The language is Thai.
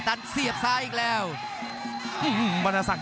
รับทราบบรรดาศักดิ์